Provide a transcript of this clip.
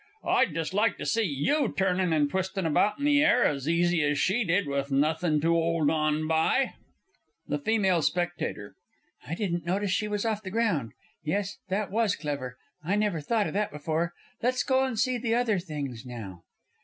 I'd just like to see you turnin' and twisting about in the air as easy as she did with nothing to 'old on by! THE F. S. I didn't notice she was off the ground yes that was clever. I never thought o' that before. Let's go and see the other things now.